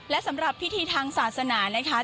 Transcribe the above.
และสำหรับพิธีทางศาสนานะคะ